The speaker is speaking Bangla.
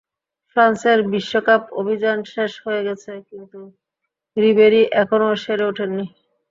ফ্রান্সের বিশ্বকাপ অভিযান শেষ হয়ে গেছে, কিন্তু রিবেরি এখনো সেরে ওঠেননি।